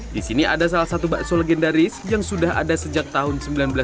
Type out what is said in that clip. di sini ada salah satu bakso legendaris yang sudah ada sejak tahun seribu sembilan ratus sembilan puluh